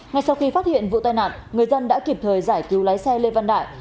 ngay sau khi phát hiện vụ tai nạn người dân đã kịp thời giải cứu lái xe lê văn đại